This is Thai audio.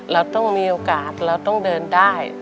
เราต้องมีโอกาสเราต้องเดินได้